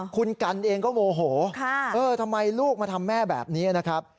คุณกันเองก็โมโหทำไมลูกมาทำแม่แบบนี้นะครับ